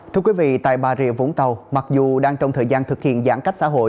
thưa quý vị tại bà rịa vũng tàu mặc dù đang trong thời gian thực hiện giãn cách xã hội